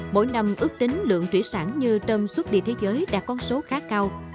mỗi năm ước tính lượng thủy sản như tâm suất đi thế giới đạt con số khá cao